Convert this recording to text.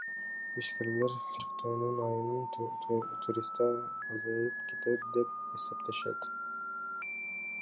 Ишкерлер чектөөнүн айынан туристтер азайып кетет деп эсептешет.